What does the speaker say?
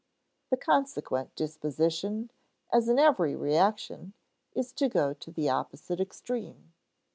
The consequent disposition as in every reaction is to go to the opposite extreme.